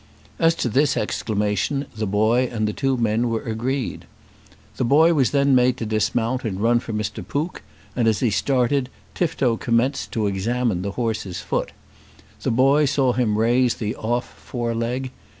As to this exclamation the boy and the two men were agreed. The boy was then made to dismount and run for Mr. Pook; and as he started Tifto commenced to examine the horse's foot. The boy saw him raise the off fore leg.